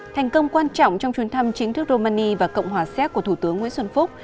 thành công quan trọng trong chuyến thăm chính thức romani và cộng hòa xéc của thủ tướng nguyễn xuân phúc